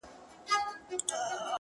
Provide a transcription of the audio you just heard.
وچ ډنګر وو له کلونو ژړ زبېښلی!.